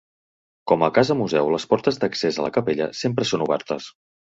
Com a casa museu les portes d’accés a la capella sempre són obertes.